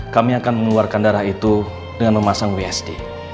kami akan mengeluarkan darah itu dengan memasang bsd